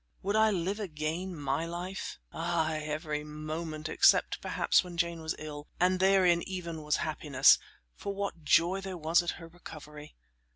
Would I live again my life? Aye, every moment except perhaps when Jane was ill and therein even was happiness, for what a joy there was at her recovery.